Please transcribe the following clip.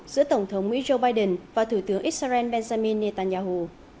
giữa tổng thống mỹ joe biden và thủ tướng israel benjamin netanyahu